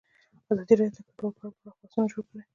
ازادي راډیو د کډوال په اړه پراخ بحثونه جوړ کړي.